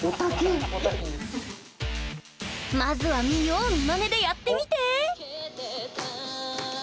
まずは見よう見まねでやってみて！